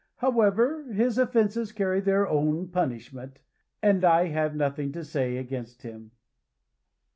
However, his offences carry their own punishment, and I have nothing to say against him."